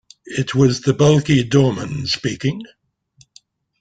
It was the bulky doorman speaking.